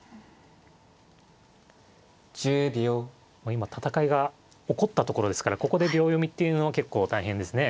今戦いが起こったところですからここで秒読みっていうのも結構大変ですね。